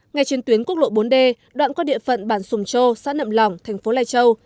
ngay trên tuyến quốc lộ bốn d đoạn qua địa phận bản sùng châu xã nậm lỏng thành phố lai châu